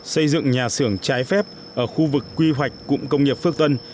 xây dựng nhà xưởng trái phép ở khu vực quy hoạch cụm công nghiệp phước tân